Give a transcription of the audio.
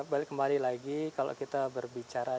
balik kembali lagi kalau kita berbicara